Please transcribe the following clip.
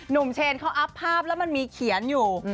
เชนเขาอัพภาพแล้วมันมีเขียนอยู่